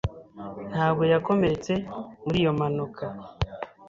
ntabwo yakomeretse muri iyo mpanuka.